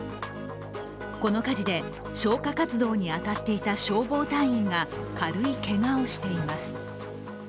この火事で、消火活動に当たっていた消防隊員が軽いけがをしています。